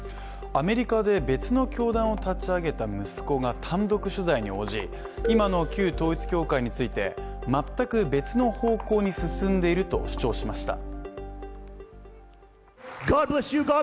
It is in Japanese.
アメリカで別の教団を立ち上げた息子が単独取材に応じ今の旧統一教会について全く別の方向に進んでいると主張しました。